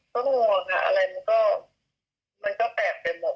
จนว่ามันจะขยับแปดเกินหมด